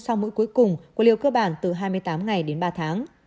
sau mỗi cuối cùng của liều cơ bản từ hai mươi tám ngày đến ba tháng